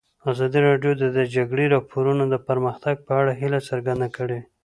ازادي راډیو د د جګړې راپورونه د پرمختګ په اړه هیله څرګنده کړې.